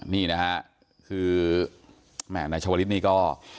นี่นะฮะคือแหม่นาชาวฤทธิ์ก็